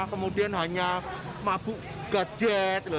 kemudian hanya mabuk gadget